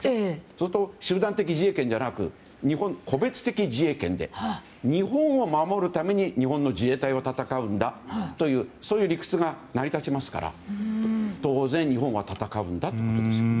そうすると集団的自衛権ではなく日本の個別的自衛権で日本を守るために自衛隊が戦うんだというそういう理屈が成り立ちますから当然、日本は戦うんだということです。